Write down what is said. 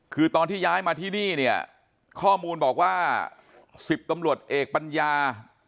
คือตอนที่ย้ายมาที่นี่เนี่ยข้อมูลบอกว่า๑๐ตำรวจเอกปัญญา